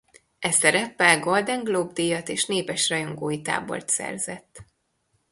E szereppel Golden Globe-díjat és népes rajongói tábort szerzett.